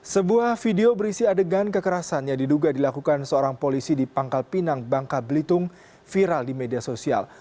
sebuah video berisi adegan kekerasan yang diduga dilakukan seorang polisi di pangkal pinang bangka belitung viral di media sosial